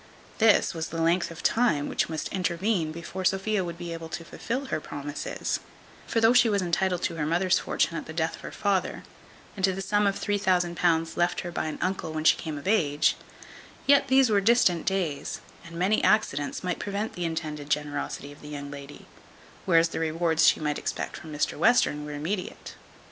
This was the length of time which must intervene before Sophia would be able to fulfil her promises; for though she was intitled to her mother's fortune at the death of her father, and to the sum of £3000 left her by an uncle when she came of age; yet these were distant days, and many accidents might prevent the intended generosity of the young lady; whereas the rewards she might expect from Mr Western were immediate.